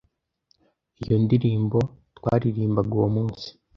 Iyo ndirimbo twaririmbaga uwo munsi